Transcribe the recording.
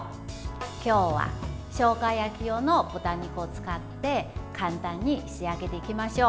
今日はしょうが焼き用の豚肉を使って簡単に仕上げていきましょう。